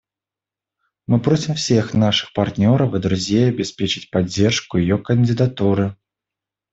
Мы просим всех наших партнеров и друзей обеспечить поддержку ее кандидатуры.